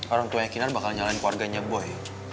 orang tuanya kinar bakal nyalahin keluarganya boy